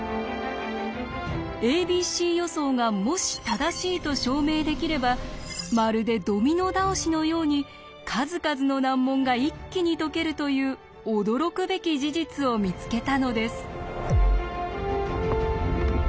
「ａｂｃ予想」がもし正しいと証明できればまるでドミノ倒しのように数々の難問が一気に解けるという驚くべき事実を見つけたのです。